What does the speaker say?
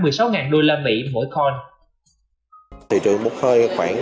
một mươi sáu usd mỗi coin